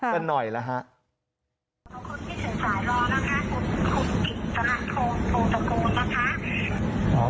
ทุกคนที่ถึงสายรอนะคะคุณกินสนับโทรโทรโตโกนนะคะ